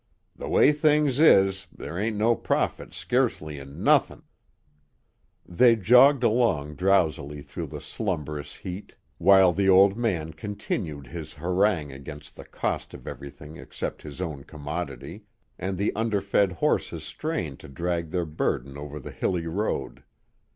"The way things is, there ain't no profit skeercely in nothin'." They jogged along drowsily through the slumberous heat, while the old man continued his harangue against the cost of everything except his own commodity, and the underfed horses strained to drag their burden over the hilly road.